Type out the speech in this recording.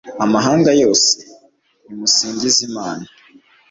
amahanga yose, nimusingize imana